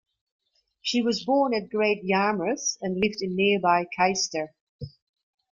She was born at Great Yarmouth; and lived in nearby Caister.